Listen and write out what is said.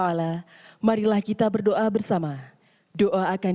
bagaimana cara kita mengucapkan terima kasih kepada tuhan